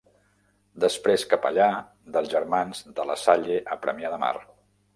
Després capellà dels germans de La Salle a Premià de Mar.